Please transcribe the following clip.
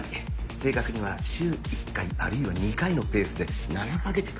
正確には週１回あるいは２回のペースで７か月間。